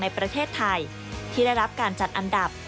ในประเทศไทยที่ได้รับการจัดอันดับ